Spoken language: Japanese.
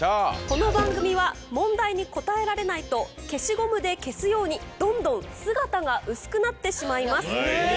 この番組は問題に答えられないと消しゴムで消すようにどんどん姿がうすくなってしまいます。